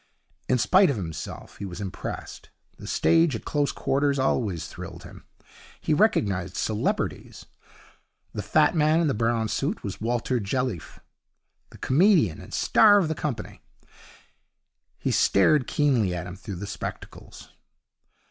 In spite of himself, he was impressed. The stage at close quarters always thrilled him. He recognized celebrities. The fat man in the brown suit was Walter Jelliffe, the comedian and star of the company. He stared keenly at him through the spectacles.